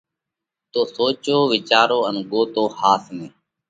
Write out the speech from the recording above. تو سوچو وِيچارو ان ڳوتو ۿاس نئہ!